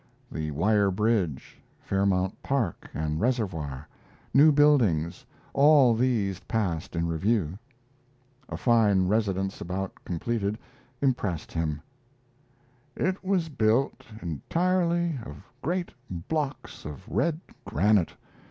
The Wire Bridge, Fairmount Park and Reservoir, new buildings all these passed in review. A fine residence about completed impressed him: It was built entirely of great blocks of red granite.